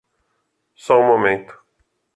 Só um momento